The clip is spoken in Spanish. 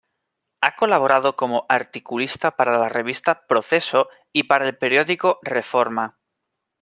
Ha colaborado como articulista para la revista "Proceso" y para el periódico "Reforma".